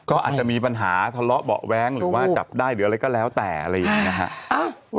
ก็อาจจะมีปัญหาทะเลาะเบาะแว้งหรือว่าจับได้หรืออะไรก็แล้วแต่อะไรอย่างนี้นะฮะ